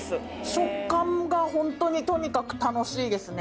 食感がホントにとにかく楽しいですね。